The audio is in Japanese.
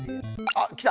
あっきた！